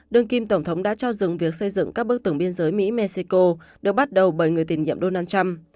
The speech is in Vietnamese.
đương kim tổng thống đã cho dừng việc xây dựng các bức tường biên giới mỹ mexico được bắt đầu bởi người tiền nhiệm donald trump